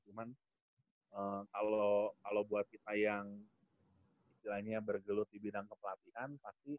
cuma kalau buat kita yang bergelut di bidang kepelatihan